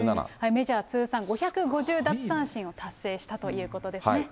メジャー通算５５０奪三振を達成したということですね。